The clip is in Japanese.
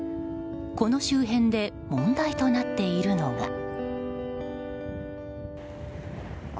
この周辺で問題となっているのが。